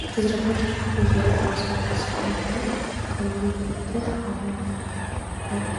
Եզրափակիչ փուլի երեք մասնակիցների մեջ ֆավորիտ էր համարվում ը։